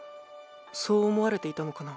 そう思われていたのかな？